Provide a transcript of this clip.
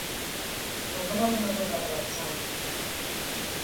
Posa'm alguna cosa relaxant.